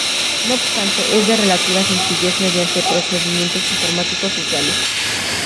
No obstante, es de relativa sencillez mediante procedimientos informáticos usuales.